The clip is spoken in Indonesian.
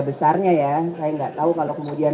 besarnya ya saya gak tau kalau kemudian